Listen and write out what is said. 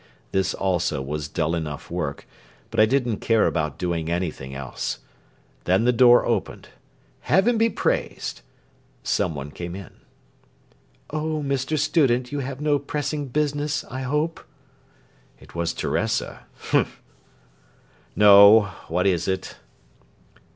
This also was dull enough work, but I didn't care about doing anything else. Then the door opened. Heaven be praised! Some one came in. "Oh, Mr. Student, you have no pressing business, I hope?" It was Teresa. Humph! "No. What is it?"